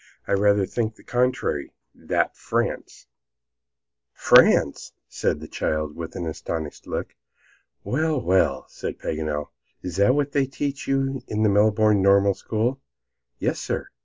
I rather think on the contrary, that France " "France," said the child, with an astonished look. "Well, well," said Paganel; "is that what they teach you in the Melbourne Normal School?" "Yes, sir.